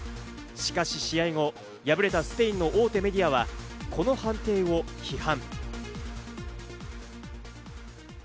しかし試合後、敗れたスペインの大手メディアはこの判定を批判。